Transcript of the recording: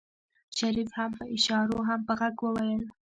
شريف هم په اشارو هم په غږ وويل.